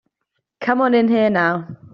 Come on in here now.